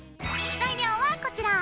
材料はこちら！